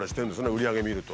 売り上げ見ると。